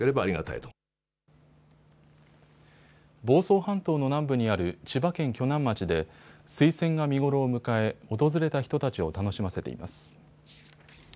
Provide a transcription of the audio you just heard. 房総半島の南部にある千葉県鋸南町で水仙が見頃を迎え、訪れた人たちを楽しませています。